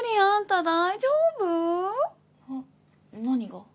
何が？